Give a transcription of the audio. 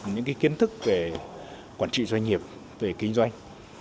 những kiến thức về quản trị doanh nghiệp về kinh doanh